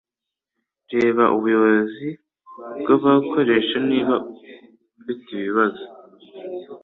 Reba Ubuyobozi bw'abakoresha niba ufite ibibazo.